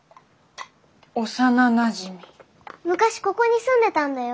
昔ここに住んでたんだよ。